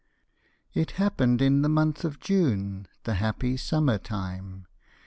It happened in the month of June, the happy summer time.